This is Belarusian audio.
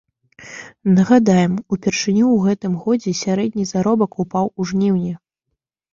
Нагадаем, упершыню ў гэтым годзе сярэдні заробак упаў у жніўні.